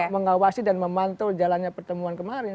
mengawasi dan memantau jalannya pertemuan kemarin